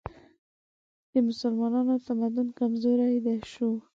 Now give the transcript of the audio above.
د مسلمانانو تمدن کمزوری شو